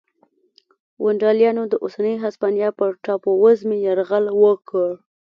ونډالیانو د اوسنۍ هسپانیا پر ټاپو وزمې یرغل وکړ